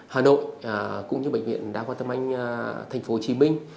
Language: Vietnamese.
hà nội cũng như bệnh viện đa khoa tâm anh thành phố hồ chí minh